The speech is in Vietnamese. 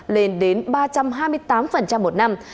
lên đến ba trăm hai mươi tám một năm